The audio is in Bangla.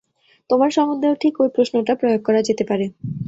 তোমার সম্বন্ধেও ঠিক ঐ প্রশ্নটা প্রয়োগ করা যেতে পারে।